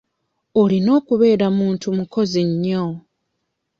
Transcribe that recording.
Olina okubeera muntu mukozi nnyo.